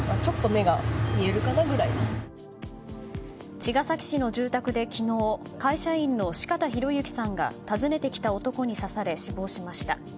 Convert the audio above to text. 茅ヶ崎市の住宅で昨日会社員の四方洋行さんが訪ねてきた男に刺され死亡しました。